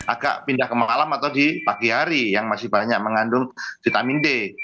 agak pindah ke malam atau di pagi hari yang masih banyak mengandung vitamin d